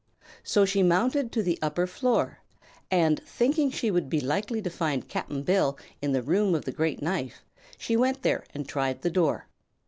So she mounted to the upper floor, and thinking she would be likely to find Cap'n Bill in the Room of the Great Knife she went there and tried the door.